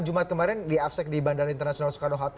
jumat kemarin di afsec di bandara internasional soekarno hatta